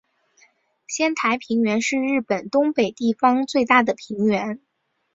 仙台平原是日本东北地方最大的平原。